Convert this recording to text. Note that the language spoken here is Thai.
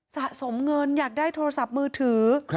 สะสมเงินอยากได้โทรศัพท์มือถือ